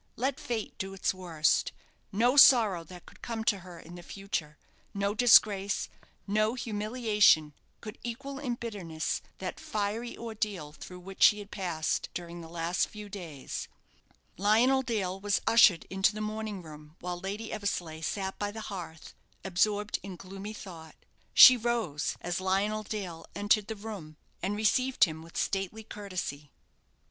Let fate do its worst. No sorrow that could come to her in the future, no disgrace, no humiliation, could equal in bitterness that fiery ordeal through which she had passed during the last few days. Lionel Dale was ushered into the morning room while Lady Eversleigh sat by the hearth, absorbed in gloomy thought. She rose as Lionel Dale entered the room, and received him with stately courtesy.